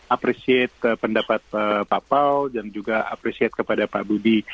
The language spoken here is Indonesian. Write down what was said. appreciate pendapat pak pao dan juga appreciate kepada pak budi